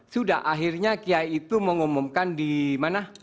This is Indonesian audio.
sudah akhirnya kiai itu mengumumkan di mana